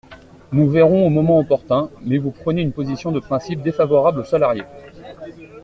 Nous verrons au moment opportun, mais vous prenez une position de principe défavorable aux salariés.